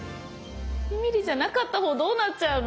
２ミリじゃなかったほうどうなっちゃうの？